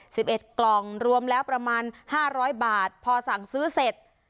สิบเอ็ดกล่องรวมแล้วประมาณห้าร้อยบาทพอสั่งซื้อเสร็จ